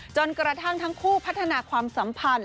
จนกระทั่งทั้งคู่พัฒนาความสัมพันธ์